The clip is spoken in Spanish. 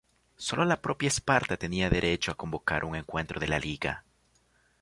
Sólo la propia Esparta tenía derecho a convocar un encuentro de la Liga.